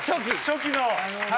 初期の。